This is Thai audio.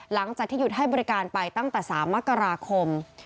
หลังจากที่หยุดให้บริการไปตั้งแต่๓มกราคม